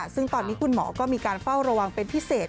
ซึ่งตอนนี้คุณหมอก็มีการเฝ้าระวังเป็นพิเศษ